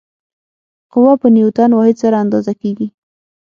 قوه په نیوټن واحد سره اندازه کېږي.